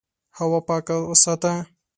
هوا پاکه وساته.